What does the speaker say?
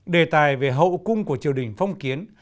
đề tài về hậu cung của triều đình phong kiến